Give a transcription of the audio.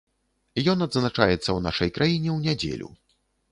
Ён адзначаецца ў нашай краіне ў нядзелю.